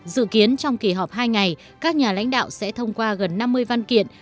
dự kiến trong kỳ họp hai ngày các nhà lãnh đạo sẽ thông qua gần năm mươi văn kiện